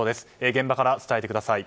現場から伝えてください。